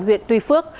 huyện tuy phước